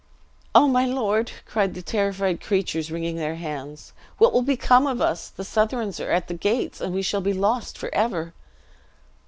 "O my lord!" cried the terrified creatures, wringing their hands, "what will become of us! The Southrons are at the gates, and we shall be lost forever!"